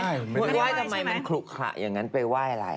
คุณไหว้ทำไมมันขลุขะอย่างนั้นไปไหว้อะไร